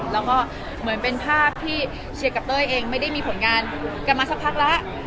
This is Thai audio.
แล้วก็เหมือนเป็นภาพที่เชียร์กับเต้ยเองไม่ได้มีผลงานกันมาสักพักแล้ว